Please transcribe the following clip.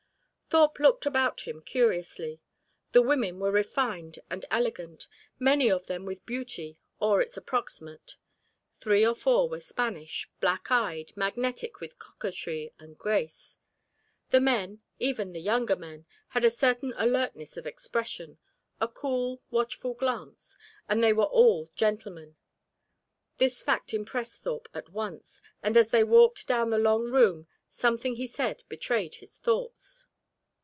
Thorpe looked about him curiously. The women were refined and elegant, many of them with beauty or its approximate; three or four were Spanish, black eyed, magnetic with coquetry and grace. The men, even the younger men, had a certain alertness of expression, a cool watchful glance; and they were all gentlemen. This fact impressed Thorpe at once, and as they walked down the long room something he said betrayed his thoughts.